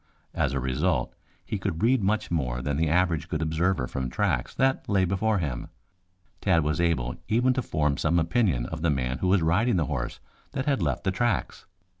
As a result he could read much more than the average good observer from tracks that lay before him. Tad was able even to form some opinion of the man who was riding the horse that had left the tracks.